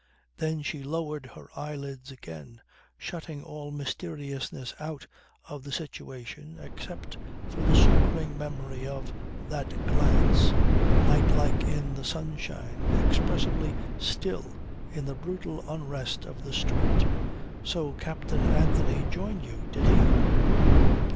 Then she lowered her eyelids again, shutting all mysteriousness out of the situation except for the sobering memory of that glance, nightlike in the sunshine, expressively still in the brutal unrest of the street. "So Captain Anthony joined you did he?"